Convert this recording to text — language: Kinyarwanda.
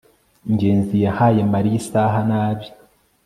ngenzi yahaye mariya isaha nabi